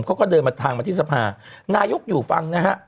เขาก็เดินมาทางมาที่สภานายกอยู่ฟังนะฮะ